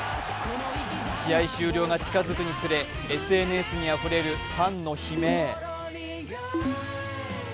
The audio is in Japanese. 試合終了が近づくにつれＳＮＳにあふれるファンの悲鳴。